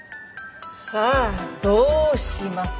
さあどうしますか？